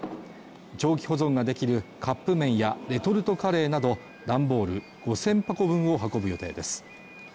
長期保存ができるカップ麺やレトルトカレーなど段ボール５０００箱分を運ぶ予定です